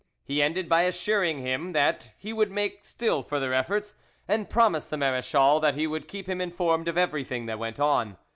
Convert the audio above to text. He ended by assuring him that he would make still further efforts, and promised the marechal that he would keep him informed of everything that went on.